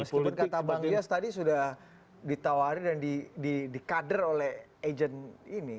meskipun kata bang yas tadi sudah ditawari dan di kader oleh agent ini